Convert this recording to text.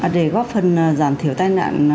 để góp phần giảm thiểu tai nạn